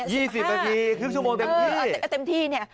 ๒๐นาทีครึ่งชั่วโมงเต็มที่